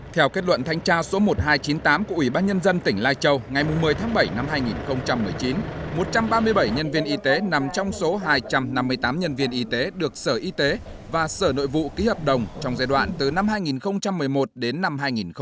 theo kết luận thanh tra số một nghìn hai trăm chín mươi tám của ủy ban nhân dân tỉnh lai châu ngày một mươi tháng bảy năm hai nghìn một mươi chín một trăm ba mươi bảy nhân viên y tế nằm trong số hai trăm năm mươi tám nhân viên y tế được sở y tế và sở nội vụ ký hợp đồng trong giai đoạn từ năm hai nghìn một mươi một đến năm hai nghìn một mươi chín